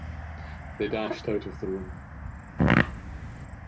They dashed out of the room.